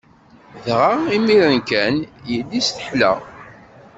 Dɣa, imiren kan, yelli-s teḥla.